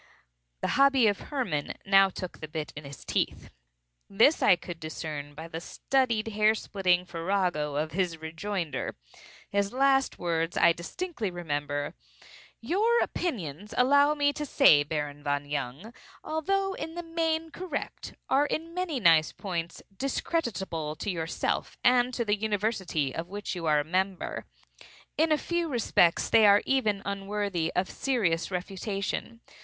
The hobby of Hermann now took the bit in his teeth. This I could discern by the studied hair splitting farrago of his rejoinder. His last words I distinctly remember. "Your opinions, allow me to say, Baron von Jung, although in the main correct, are, in many nice points, discreditable to yourself and to the university of which you are a member. In a few respects they are even unworthy of serious refutation.